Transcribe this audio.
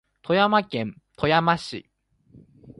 富山県富山市